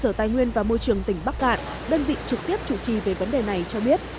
sở tài nguyên và môi trường tỉnh bắc cạn đơn vị trực tiếp chủ trì về vấn đề này cho biết